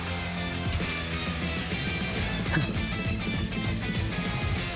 フッ。